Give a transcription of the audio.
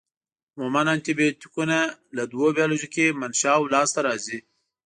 عموماً انټي بیوټیکونه له دوو بیولوژیکي منشأوو لاس ته راځي.